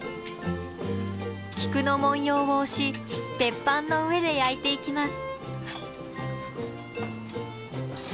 菊の紋様を押し鉄板の上で焼いていきます。